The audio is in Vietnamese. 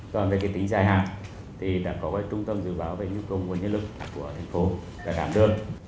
còn về cái tính dài hạn thì đã có cái trung tâm dự báo về nhu cầu và nguồn nhân lực của thành phố đã đảm đương